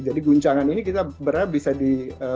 jadi guncangan ini kita berharap bisa di